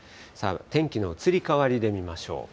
天気の移り変わりで見ましょう。